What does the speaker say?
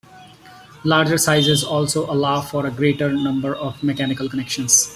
Larger sizes also allow for a greater number of mechanical connections.